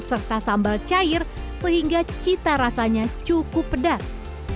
serta sambal cair sehingga cita rasanya cukup pedas